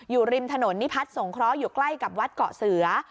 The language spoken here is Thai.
อยู่ริมถนนนิพัฒน์สงเคราะห์อยู่ใกล้กับวัดเกาะเสือ